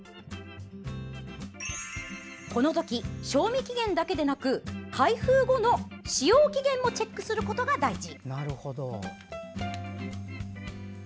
この時、賞味期限だけでなく開封後の使用期限もチェックすることが大事。